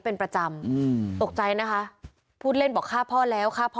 เป็นประจำอืมตกใจนะคะพูดเล่นบอกฆ่าพ่อแล้วฆ่าพ่อ